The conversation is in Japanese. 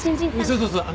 そうそうそう。